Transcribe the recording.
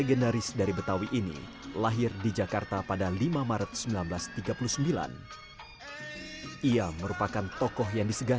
jadi nggak pernah main tangan